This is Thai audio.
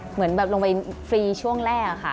เหมือนแบบลงไปฟรีช่วงแรกค่ะ